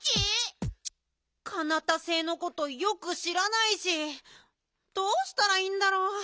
カナタ星のことよくしらないしどうしたらいいんだろう？